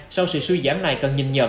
sau sự suy giảm này cần nhìn nhận